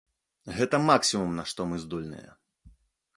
Гэта максімум, на што мы здольныя.